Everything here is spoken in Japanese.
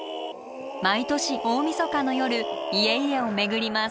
毎年大みそかの夜家々を巡ります。